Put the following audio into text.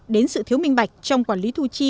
đến sự thiếu minh bạch trong quản lý thu chi